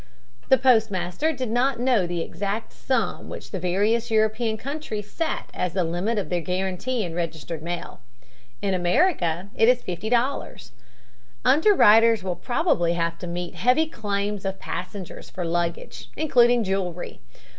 The postmaster did not know the exact sum which the various European countries set as the limit of their guarantee in registered mail. In America it is $50. Underwriters will probably have to meet heavy claims of passengers for luggage, including jewelry.